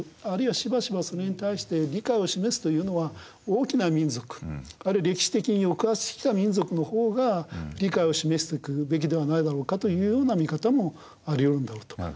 あるいはしばしばそれに対して理解を示すというのは大きな民族あるいは歴史的に抑圧してきた民族の方が理解を示していくべきではないだろうかというような見方もありうるんだろうと。